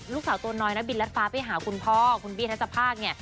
ลูกสาวตัวน้อยนักบินรัดฟ้าไปหาคุณพ่อคุณบี้ทัศภาคเนี่ย